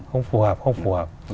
không phù hợp không phù hợp